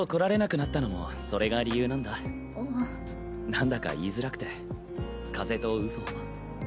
なんだか言いづらくて「風邪」とうそを。